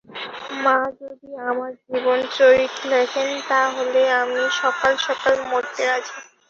মা যদি আমার জীবনচরিত লেখেন তা হলে আমি সকাল সকাল মরতে রাজি আছি।